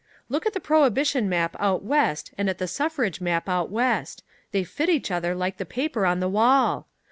Look at the prohibition map out West and at the suffrage map out West. They fit each other like the paper on the wall.